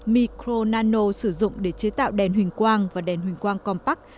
monano sử dụng để chế tạo đèn hình quang và đèn hình quang compact